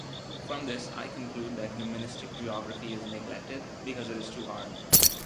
From this, I conclude that humanistic geography is neglected because it is too hard.